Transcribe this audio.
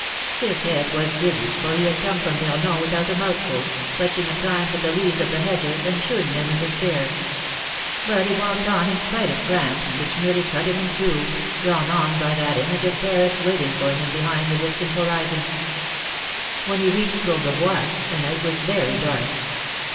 His head was dizzy, for he had come from Vernon without a mouthful, clutching at times at the leaves of the hedges, and chewing them in despair; but he walked on in spite of cramps, which nearly cut him in two, drawn on by that image of Paris waiting for him behind the distant horizon. When he reached Courbevoie, the night was very dark.